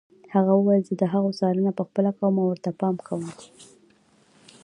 هغه وویل زه د هغو څارنه پخپله کوم او ورته پام کوم.